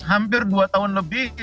hampir dua tahun lebih